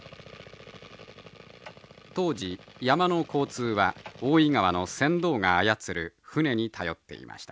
当時山の交通は大井川の船頭が操る舟に頼っていました。